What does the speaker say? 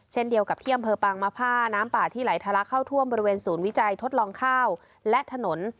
เช่นเดียวกับที่อำเภอปางมผ้าน้ำป่าที่ไหลทะลักเข้าท่วมบริเวณศูนย์วิจัยทดลองข้าวและถนน